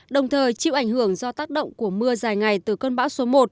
đồng thời chịu ảnh hưởng do tác động của mưa dài ngày từ cơn bão số một